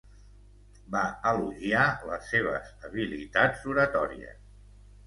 Va elogiar les seves habilitats oratòries.